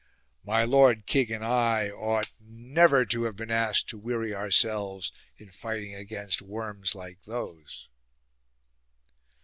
My lord king and I ought never to have been asked to weary ourselves in fighting against worms like those."